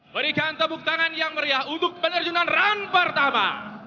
berikan tepuk tangan yang meriah untuk penerjunan run pertama